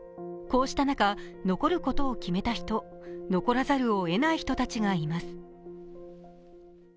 こうした中、残ることを決めた人残らざるを得ない人たちがいます。